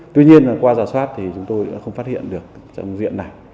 tuy nhiên qua giả soát thì chúng tôi đã không phát hiện được trong diện này